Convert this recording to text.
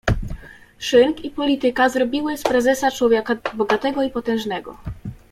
"Szynk i polityka zrobiły z prezesa człowieka bogatego i potężnego."